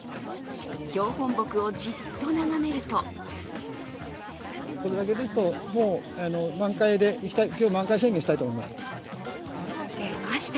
標本木をじっと眺めると出ました！